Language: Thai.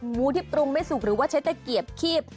หมูที่ปรุงไม่สุกหรือว่าใช้ตะเกียบคีบ